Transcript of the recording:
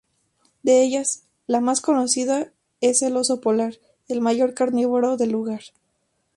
De ellas, la más conocida es el oso polar, el mayor carnívoro del lugar.